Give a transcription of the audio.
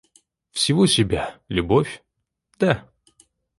Всего себя, любовь... да.